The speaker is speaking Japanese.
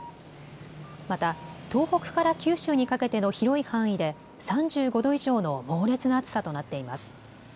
また東北から九州にかけての広い範囲で３５度以上の猛烈な暑さとなっています。